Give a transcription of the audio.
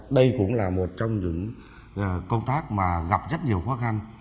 đây cũng là một trong những công tác mà gặp rất nhiều khó khăn